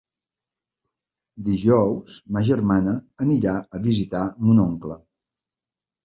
Dijous ma germana anirà a visitar mon oncle.